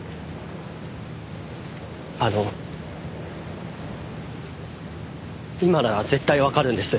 あの今なら絶対わかるんです。